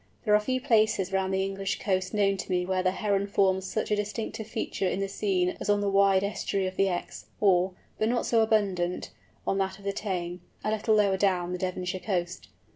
There are few places round the English coast known to me where the Heron forms such a distinctive feature in the scene as on the wide estuary of the Exe, or, but not so abundant, on that of the Teign, a little lower down the Devonshire coast.